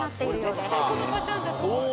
絶対このパターンだと思った。